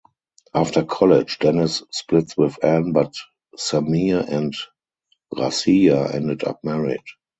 After college Dennis splits with Ann but Sameer and Rasiya end up married.